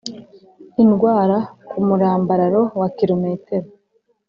Indwara Ku Murambararo Wa Kilometero